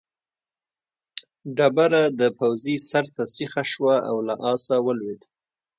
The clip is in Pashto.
ډبره د پوځي سر ته سیخه شوه او له آسه ولوېد.